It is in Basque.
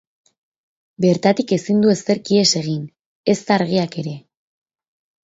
Bertatik ezin du ezerk ihes egin, ezta argiak ere.